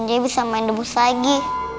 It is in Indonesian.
dia bisa main debus lagi